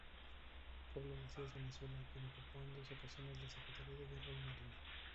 Pablo Macías Valenzuela, quien ocupó en dos ocasiones la Secretaría de Guerra y Marina.